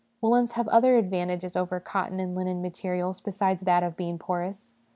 Woollens have other advantages over cotton and linen materials besides that of being porous.